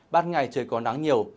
bát ngày trời có nắng nhiều